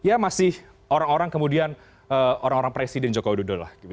jadi ya masih orang orang kemudian orang orang presiden jokowi dodo lah